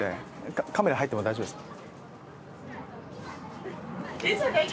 カメラ入っても大丈夫ですか？